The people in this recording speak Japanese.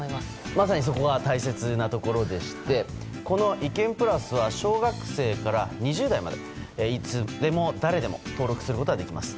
まさにそこが大切なところでこのいけんぷらすは小学生から２０代までいつでも誰でも登録することができます。